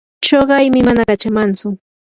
chuqaymi mana kachamantsu.